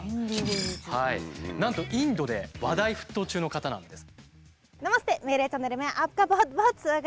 なんとインドで話題沸騰中の方なんです。